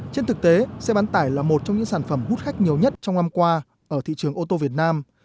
trên thực tế xe bán tải là một trong những sản phẩm hút khách nhiều nhất trong năm qua ở thị trường ô tô việt nam